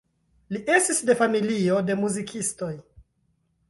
Li estis de familio de muzikistoj.